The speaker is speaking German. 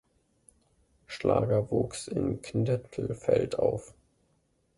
Schlager wuchs in Knittelfeld auf.